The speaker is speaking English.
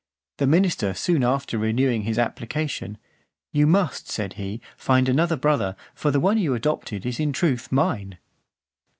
The minister soon after renewing his application, "You must," said he, "find another brother; for the one you adopted is in truth mine."